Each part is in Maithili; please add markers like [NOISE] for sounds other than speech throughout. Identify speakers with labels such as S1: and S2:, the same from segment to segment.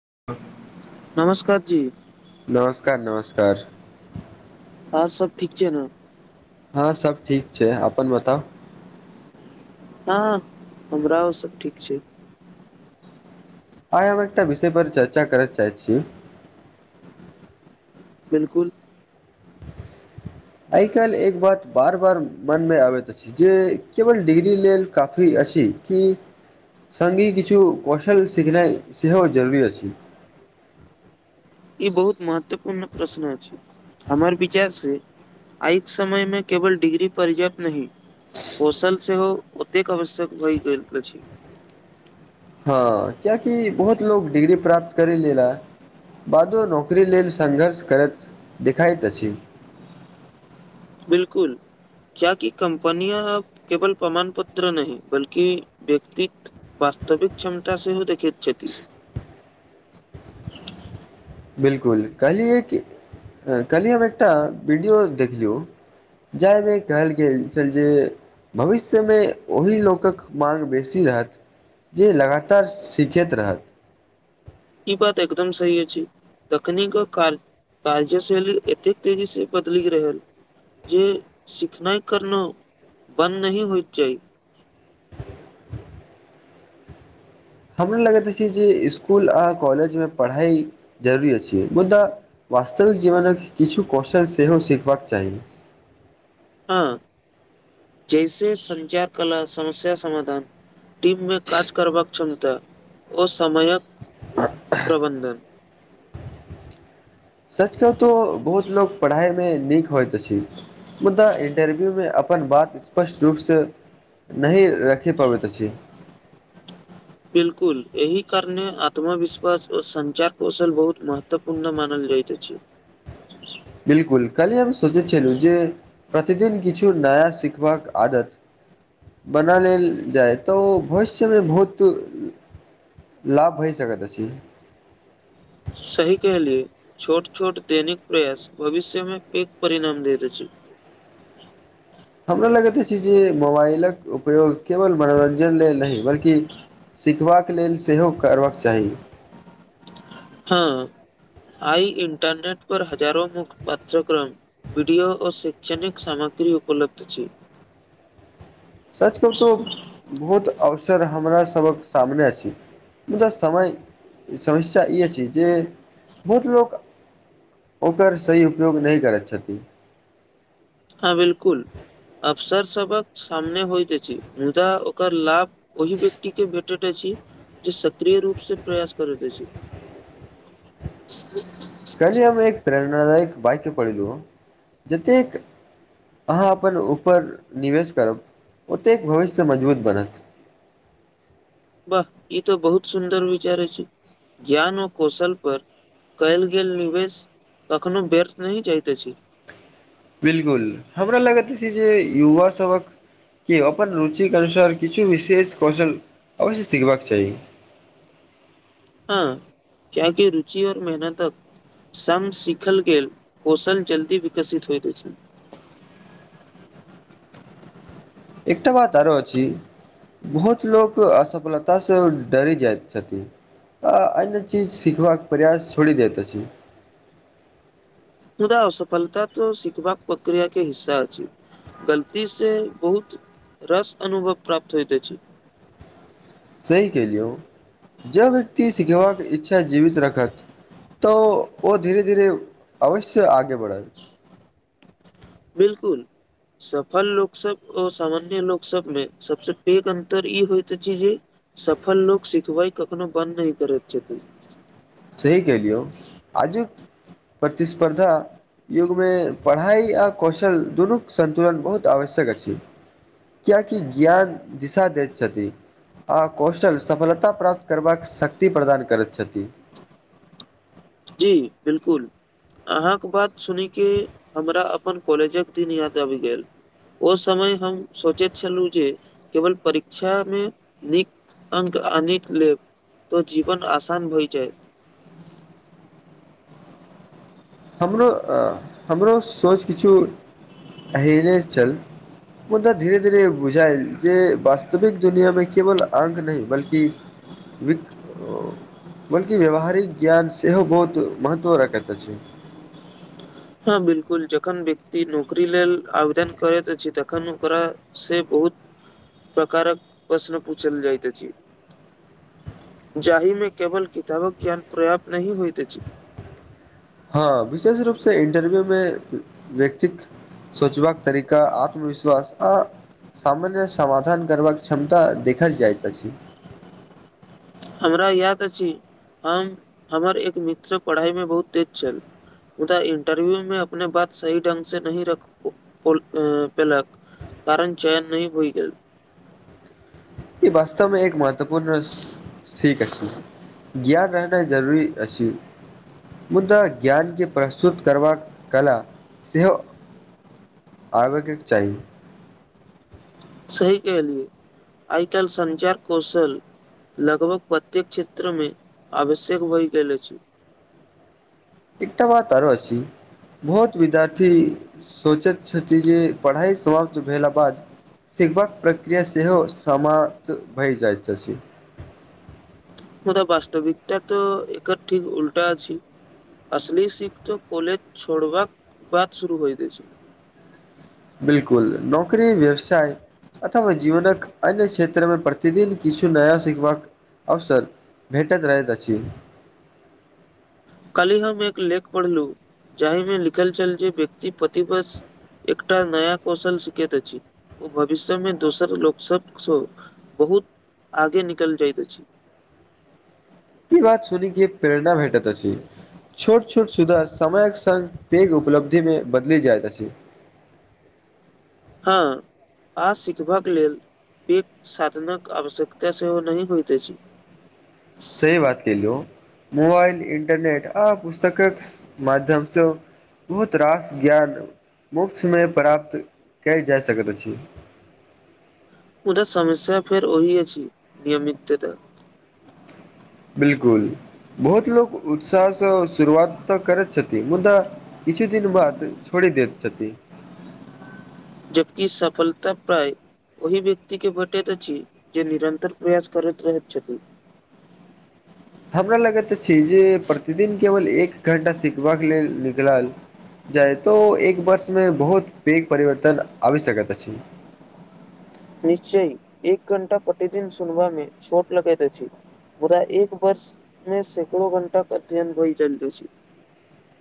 S1: [UNINTELLIGIBLE]
S2: नमस्कार जी। [UNINTELLIGIBLE]
S1: नमस्कार -नमस्कार। [UNINTELLIGIBLE]
S2: आओर सभ ठीक छै ने। [UNINTELLIGIBLE]
S1: हँ सब ठीक छै अपन बताउ। [UNINTELLIGIBLE]
S2: हँ हमरा ओसभ ठीक छै। [UNINTELLIGIBLE]
S1: आइ हम एकटा विषय पर चर्चा करत चाहै छी। [UNINTELLIGIBLE]
S2: बिल्कुल। [UNINTELLIGIBLE]
S1: आइ काल्हि एक बात बार बार मनमे आबैत अछि जे केवल डिग्री लेल काफी अछि कि सङ्गी किछु कौशल सिखनाइ सेहो जरूी अछि। [UNINTELLIGIBLE]
S2: ई बहुत महत्वपूर्ण प्रश्न अछि हमर विचार से आइके समय मे केवल डिग्री पर्याप्त नहिी कौशल सेहो ओतेक आवश्यक होहि गेल अछि। [UNINTELLIGIBLE]
S1: हँ कियकि बहुत लोको डिग्री प्राप्त करि लेला बादो नौकरी लेल संघर्ष करैत देखाइत अछि। [UNINTELLIGIBLE]
S2: बिलकुल क्य कि कं्पनिया अ केवल प्रमाण पत्र नहि बल्कि व्यक्त वास्तविक क्षमता सेहो देखे। छथि। [UNINTELLIGIBLE]
S1: बिलकुल कहलियै कहलियै हम एकटा वीडियो देख लियौ जाहिमे कहल गेल छल जे भविष्यमे ओही लोकक माग बेसी रहत जे लगातार सिखैत रहत।
S2: ई बात एकदम सही अछि तखनिको कार कार्य शैली एतेक तेजी से बदलि रहल जे सिखनाइ करना बन्द नहि होइत चाही। [UNINTELLIGIBLE]
S1: हमरा लगैत अछि जे इसकुल आ कॉलेजमे पढ़ाइ जरूरी अछि -अछि मुदा वास्तविक जीवनक किछु क्वेश्चन सेहो सीखबाक चाही। [UNINTELLIGIBLE]
S2: हँ [UNINTELLIGIBLE] जैसे सञ्चार कला समस्या समाधान टीममे काज करबाक क्षमता ओ समयक प्रबन्धन। [UNINTELLIGIBLE]
S1: सच क तो बहुत लोकोग पढ़ाइ मे नीक। [UNINTELLIGIBLE] होइत अछि मुदा इंटरव्यूमे अपन बात स्पष्ट रूपसँ नहि रखि पबैत अछि। [UNINTELLIGIBLE]
S2: बिलकुल एहि कारणे आत्मविश्वास ओ सञ्चार कौशल बहुत महत्वपूर्ण मानल जाइतइत अछि। [UNINTELLIGIBLE]
S1: बिलकुल काल्हि हम सोचैत छलहुँ जे प्रतिदिन किछु नया सिखबाक आदत बना लेल जाय तऽ ओ भविष्यमे बहुत लाभ भय सकैत अछि। [UNINTELLIGIBLE]
S2: सही कहलिए छोट छोट दैनिक प्रयास भविष्यमे पैेक परिणाम देत अछि। [UNINTELLIGIBLE]
S1: हमरा लगैत अछि जे मोबाइलक उपयोग केवल मनोरंजन। [UNINTELLIGIBLE] लेल नहि बल्कि। [UNINTELLIGIBLE] सिखबाक लेल सेहो करबाक चाही। [UNINTELLIGIBLE]
S2: हँ [UNINTELLIGIBLE] आइ इन्टरनेट पर हजारो मुख्त पाठ्यक्रम वीडियो ओ शैक्षणिक सामग्री उपलब्ध अछि। [UNINTELLIGIBLE]
S1: सच कहतहु- बहुत अवसर हमरा। [UNINTELLIGIBLE] सबक सामने अछि मुदा समय समस्या ई अछि जे बहुत लोक -ओकर सही उपयोग नहि करैत छथिन। [UNINTELLIGIBLE]
S2: हँ बिलकुल। [UNINTELLIGIBLE] अफसर सबक सामने होइत अछि मुदा ओकर लाभ ओहि व्यक्ति के भेटैत अछि जे सक्रिय रूप से प्रयास करैत अछि। [UNINTELLIGIBLE]
S1: कली हममे एक प्र। [UNINTELLIGIBLE] हमरा राएत पाइ के पढ़ै रीहो जतैक अहां अपन ऊपर निवेश करब ओतेक भविष्य मजबूत बनत। [UNINTELLIGIBLE]
S2: बाह ई तऽ बहुत सुन्दर विचार अछि ज्ञान अ कौशल पर कैल गेल निवेश कखनो व्यर्थ नहि जाइत अछि। [UNINTELLIGIBLE]
S1: बिल्कुल हमरा लगैत अछि जे युवा सभक के अपन रुचिक अनुसार किछु विशेष कौशल अवश्य सिखबाक चाही। [UNINTELLIGIBLE]
S2: हां कियाकि रुचि और मेहनतक संग सिखल गेल कौशल जल्दी विकसित होइत अछि। [UNINTELLIGIBLE]
S1: एकटा बात आरो अछि बहुत लोक असफलता से डरी जाइत छथिन आ अन्य चीज सिखबाक प्रयास छोड़ि दैत अछि। [UNINTELLIGIBLE]
S2: मुदा असफलता तऽ सिखबाक प्रक्रिया के हिस्सा अछि गलती से बहुत रस अनुभव प्राप्त होइत अछि। [UNINTELLIGIBLE]
S1: सही केलियौ जब व्यक्ति सिखेबाक इच्छा जीवित रखत तऽ ओ धीरे -धीरे अवश्य आगे बढ़त। [UNINTELLIGIBLE]
S2: बिल्कुल सफल लोकसब अ सामान्य लोकसबमे सबसे पैघ अन्तर ई होइत अछि जे सफल लोक सिखबै कखनो बन्द नै करैत छथिन। [UNINTELLIGIBLE]
S1: सही कैलियौ आजुक प्रतिस्पर्धा युगमे पढ़ाइ आ कौशल दुनूक संन्तुलन बहुत आवश्यक अछि कियाकि ज्ञान दिशा दैत छथि आ कौशल सफलता प्राप्त करबाक शक्ति प्रदान करैत छथि। [UNINTELLIGIBLE]
S2: जी बिल्कुल अहाँक बात सुनि के हमरा अपन कॉलेजक दिन याद आबि गेल ओ समय हम सोचैत छलहुँ जे केवल परीक्षामे नीक अंक आनै के लेब तऽ जीवन आसान भए जायत। [UNINTELLIGIBLE]
S1: हमरो -हमरो सोच किछु एहने छल मुदा धीरे -धीरे बुझायल जे वास्तविक दुनियामे केवल अंक नै बल्कि बिक उम्म बल्कि -व्यावहारिक ज्ञान सेहो बहुत महत्व रखैत अछि। [UNINTELLIGIBLE]
S2: बिल्कुल जखन व्यक्ति नौकरी लेल आवेदन करैत अछि तखन ओकरा से बहुत प्रकारक प्रश्न पूछल जाइत अछि [UNINTELLIGIBLE] जाहि मे केवल किताबक ज्ञान पर्याप्त नहि होइत अछी। [UNINTELLIGIBLE]
S1: हां विशेष रूपसे इंटरव्यू मे व्यक्तिक सोचबाक तरीका आत्मविश्वास आ सामान्य समाधान करबाक क्षमता देखल जाइत अछि। [UNINTELLIGIBLE]
S2: हमरा याद अछि हम हमर एक मित्र पढ़ाइमे बहुत तेज छल मुदा इंटरव्यू मे अपने बात सही ढ़ंग से नहि रख पो पोल ए -पेलक कारण चयन नहि होइ गेल। [UNINTELLIGIBLE]
S1: ई वास्तवमे एक महत्वपूर्ण सी सिख अछि, ज्ञान रहनाइ जरूरी अछि मुदा ज्ञान के प्रस्तुत करबाक कला सेहो- आबैकक चाही। [UNINTELLIGIBLE]
S2: सही कहलिए आइ काएल संचार कौशल लगभग प्रत्येक क्षेत्रमे आवश्यक भऽ गेल अछि। [UNINTELLIGIBLE]
S1: एकटा बात आरो अछि बहुत विद्यार्थी सोचैत छथि जे पढ़ाई समाप्त भेला बाद सिखबाक प्रक्रिया सेहो समाप्त भइ जाइत छै। [UNINTELLIGIBLE]
S2: मुदा वास्तविकता तऽ एकर ठीक उल्टा अछि असली सिख त कोलेज छोड़बाक बाद शुरू होइत अछि। [UNINTELLIGIBLE]
S1: बिल्कुल नौकरी व्यवसाय अथवा जीवनक अन्य क्षेत्रमे प्रतिदिन किछु नया सिखबाक अवसर भेटैत रहैत अछि। [UNINTELLIGIBLE]
S2: कल्हि हम एक लेख पढ़लु जाहिमे लिखल छल जे व्यक्ति प्रतिवश एकटा नया कौशल सीखैत अछि ओ भविष्यमे दोसर लोकसभसँ -बहुत आगे निकल जाइत अछि। [UNINTELLIGIBLE]
S1: ई बात सुनी के प्रेरणा भेटैत अछि छोट -छोट सुधार समयक संग पैघ उपलब्धिमे बदली जायत अछि। [UNINTELLIGIBLE]
S2: हां आ सिखबाक लेल पैघ साधनक आवश्यकता सेहो नहि होइत अछि। [UNINTELLIGIBLE]
S1: सही बात केलौ मोबाइल, इंटरनेट। आ पुस्तकक माध्यमसँ बहोत रास ज्ञान मुफ्तमे प्राप्त कयल जा सकैत अछि। [UNINTELLIGIBLE]
S2: मुदा समस्या फेर ओहि अछि नियमितता। [UNINTELLIGIBLE]
S1: बिल्कुल बहोत लोक उत्साहसँ शुरुआत तऽ करैत छथि मुदा किछु दिन बाद छोड़ी दैत छथि। [UNINTELLIGIBLE]
S2: जबकि सफलता प्राय ओहि व्यक्तिके भेटैत अछि जे निरंतर प्रयास करैत रहैत छथि। [UNINTELLIGIBLE]
S1: हमरा लगैत अछि जे प्रतिदिन केवल एक घण्टा सिखबाक लेल निकलाल जाय तऽ ओ एक वर्षमे बहुत पैघ परिवर्तन आबि सकैत अछि। [UNINTELLIGIBLE]
S2: निश्चय एक घण्टा प्रतिदिन सुनबा में छोट लगैत अछि मुदा एक वर्ष मे सैंकड़ो घंटा के अध्ययन होइ जाइत अछि। [UNINTELLIGIBLE]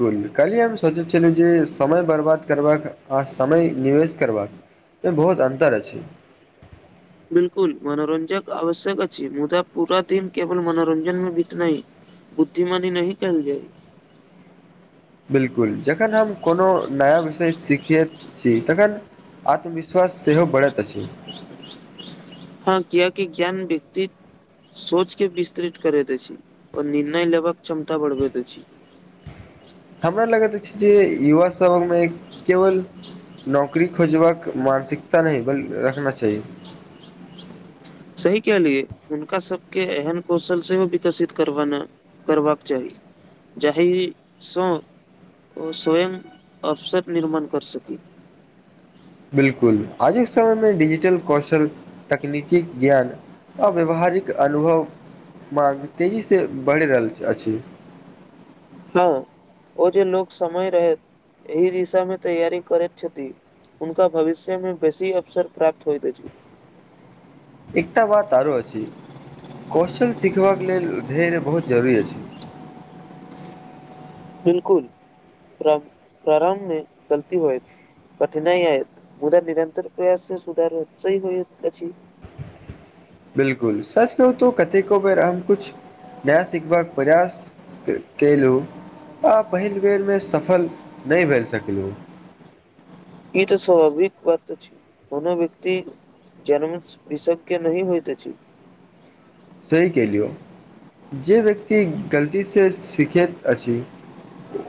S1: कहलिए हम सोचै छलिए जे समय बर्बाद करबाक आ समय निवेश करबाकमे बहोत अन्तर अछि। [UNINTELLIGIBLE]
S2: बिल्कुल मनोरंजक आवश्यक अछि मुदा पूरा दिन केवल मनोरंजन मे बीतनाय बुद्धिमानी नहि कहल जाइ। [UNINTELLIGIBLE]
S1: बिल्कुल जखन हम कोनो नया विशेष सिखैत छीयै तखन आत्मविश्वास सेहो बढ़ैत अछि। [UNINTELLIGIBLE]
S2: हां कियाकि ज्ञान व्यक्ति सोच के विस्तृत करैत अछि और निर्णय लेबाक क्षमता बढ़बैत अछि। [UNINTELLIGIBLE]
S1: हमरा लगैत अछि जे युवा सभमे केवल नौकरी खोजबाक मानसिकता नै ब रखना चाही। [UNINTELLIGIBLE]
S2: सही कहलिए हुनका सबके एहन कौशल सेहो विकसित करवाना करबाक चाही जहिसँ ओ स्वयं अवसर निर्माण कर सकी। [UNINTELLIGIBLE]
S1: बिल्कुल आजुक समयमे डिजिटल कौशल तकनीकी ज्ञान आ व्यावहारिक अनुभव मार्ग तेजीसे बढ़ रहल छ अछि। [UNINTELLIGIBLE]
S2: हां ओ जे लोक समय रहैत एहि दिशा मे तैयारी करैत छथि उनका भविष्य मे बेसी अवसर प्राप्त होएत अछि। [UNINTELLIGIBLE]
S1: एकटा बात आरो अछि क्वेश्चन सीखबाक लेल धैर्य बहुत जरूरी अछि। [UNINTELLIGIBLE]
S2: बिल्कुल प्रब -प्रारंभ मे गलती होएत कठिनाइ ऐत मुदा निरन्तर प्रयास से सुधार हौत सही होइत अछि। [UNINTELLIGIBLE]
S1: बिल्कुल सच कहु तौ कतेको बेर हम कुछ नया सिखबाक प्रयास क कयलु आ पहिल बेरमे सफल नै भाय सकलु। [UNINTELLIGIBLE]
S2: ई तऽ स्वभाविक बात आछि कोनो व्यक्ति जन्म से विषग्य नहि होइत अछि। [UNINTELLIGIBLE]
S1: सही केलियौ जे व्यक्ति गलती से सीखैत अछि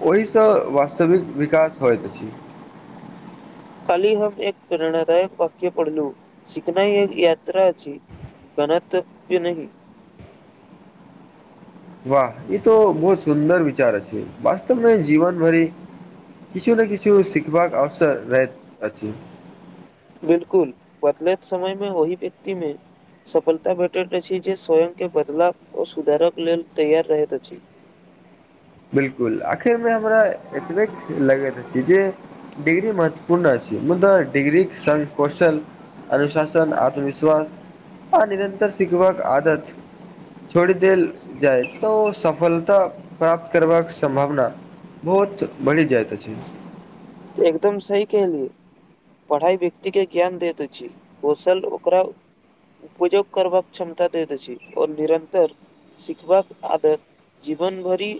S1: ओहिसँ वास्तविक विकास होइत अछि। [UNINTELLIGIBLE]
S2: खाली हम एक प्रेरणादायक वाक्य पढ़लु सिखनाय एक यात्रा छी, गनतव्य नहि। [UNINTELLIGIBLE]
S1: वाह ई तो बहुत सुन्दर विचार अछि छै वास्तवमे जीवन भरि किछु ने किछु सीखबाक अवसर रहैत अछि। [UNINTELLIGIBLE]
S2: बिल्कुल बदलैत समयमे ओहि व्यक्तिमे सफलता भेटैत अछि जे स्वयंके बदलाव ओ सुधारक लेल तैयार रहैत अछि। [UNINTELLIGIBLE]
S1: बिल्कुल आखिर मे हमरा एतबेक लगैत अछ। [UNINTELLIGIBLE] सी जे डिग्री महत्वपूर्ण आछि मुदा डिग्री के संग कौशल, अनुशासन, आत्मविश्वास आ निरंतर सीखबाक आदत। छोड़ देल जाइ तऽ सफलता। [UNINTELLIGIBLE] प्राप्त करबाक संभावना बहोत बढ़ि जाइत अछि। [UNINTELLIGIBLE]
S2: एकदम सही कहलियए पढ़ाई व्यक्ति के ज्ञान दैत अछि कौशल ओकरा उपयोग करबाक क्षमता दैत अछि और निरन्तर सिखबाक आदर जीवन भरि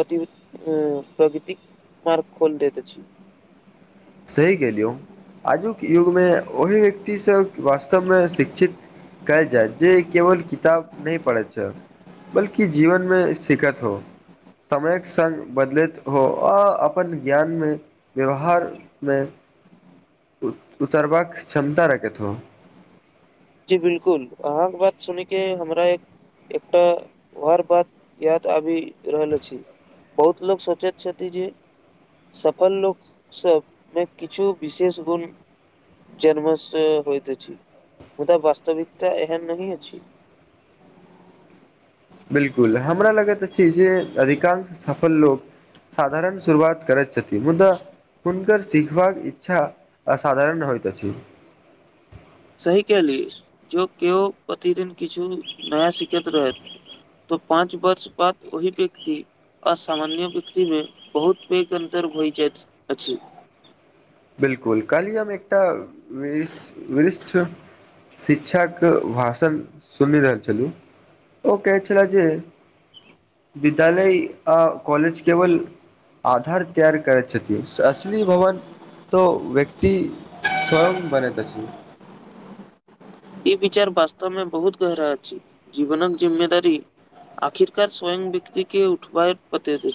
S2: -प्रगतिक मार्ग खोल दैत अछि। [UNINTELLIGIBLE]
S1: सही केलियौ आजुक युगमे ओहिी व्यक्तिसँ वास्तवमे शिक्षित कयल जाय जे केवल किताब नहि पढ़ैत छै बल्कि जीवनमे सिखैत हो समयके सङ्ग बदलैत हो आ अपन ज्ञानमे व्यवहार। [UNINTELLIGIBLE] मे उतरबाक क्षमता रखेत [UNINTELLIGIBLE]
S2: जी बिलकुल अहाँके बात सुनै के हमरा एक एकटा वार बात याद आबि रहल अछि बहुत लोको सोचैत छथि जे सफल लोकसभमे किछु विशेष गुण जन्मसँ होइत अछि। [UNINTELLIGIBLE] मुदा वास्तविकता एहन नहिहए छी।
S1: बिलकुल हमरा लगैत अछि जे अधिकांश सफल लोक साधारण शुरुआत करैत छथिन मुदा हुनकर सिखबाक इच्छा असाधारण होइत अछि।
S2: सही कए लिय जँ केओ प्रतिदिन किछु नया सिखैत रहथि तऽ पाँच वर्ष बाद ओहि व्यक्ति आ सामान्य व्यक्तिमे बहुत पैघ अन्तर भऽ जाइत अछि।
S1: बिलकुल काली हम एकटा। रि रिष्ठ। शिक्षाक भाषण सुनि रहल छलु ओ कहे छले जे विद्यालय आ कॉलेज केवल आधार तैयार करैत। असली भवन। तो व्यक्ति स्वयं बनैत अछि।
S2: ई विचार वास्तव मे बहुत गहरा अछि जीवनक जिम््ममेदारी आखिरकार स्वयं व्यक्ति के उठबा पते दे।